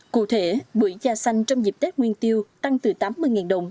cụ thể bưởi da xanh trong dịp tết nguyên tiêu tăng từ tám mươi đồng